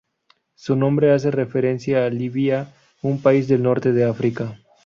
Su nombre hace referencia a Libia, un país del norte de África.